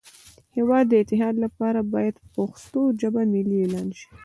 د هیواد د اتحاد لپاره باید پښتو ژبه ملی اعلان شی